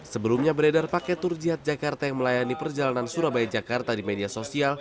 sebelumnya beredar paket tur jihad jakarta yang melayani perjalanan surabaya jakarta di media sosial